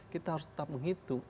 kita harus tetap menghitung